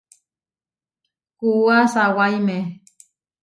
Kuúa sawáime.